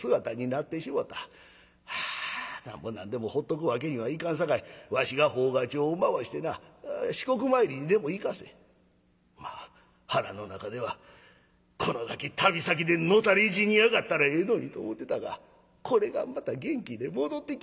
はあなんぼなんでもほっとくわけにはいかんさかいわしが奉加帳を回してな四国参りにでも行かせまあ腹の中ではこのガキ旅先で野たれ死にやがったらええのにと思てたがこれがまた元気で戻ってきよった。